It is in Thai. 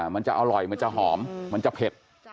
มันจะอร่อยมันจะหอมมันจะเผ็ด